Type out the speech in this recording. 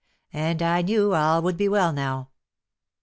And I knew all would be well now.